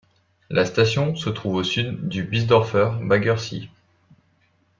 La station se trouve au sud du Biesdorfer Baggersee.